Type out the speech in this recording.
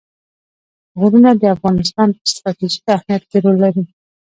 غرونه د افغانستان په ستراتیژیک اهمیت کې رول لري.